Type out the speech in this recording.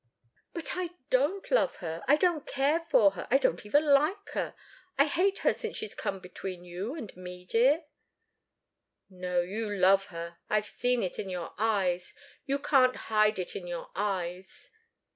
"But I don't love her I don't care for her I don't even like her I hate her since she's come between you and me, dear." "No you love her. I've seen it in your eyes you can't hide it in your eyes.